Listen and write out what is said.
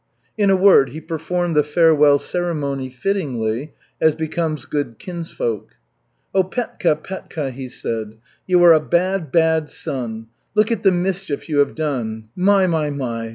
In a word, he performed the farewell ceremony fittingly, as becomes good kinsfolk. "Oh, Petka, Petka," he said, "you are a bad, bad son. Look at the mischief you have done. My, my, my!